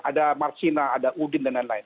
ada mark sina ada udin dan lain lain